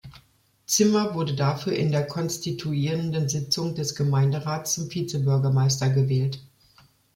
Zimmer wurde dafür in der konstituierenden Sitzung des Gemeinderats zum Vizebürgermeister gewählt.